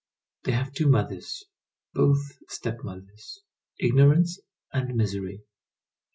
They have two mothers, both step mothers, ignorance and misery.